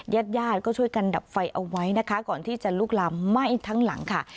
ญาติญาติก็ช่วยกันดับไฟเอาไว้นะคะก่อนที่จะลุกลามไหม้ทั้งหลังค่ะ